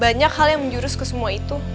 banyak hal yang menjurus ke semua itu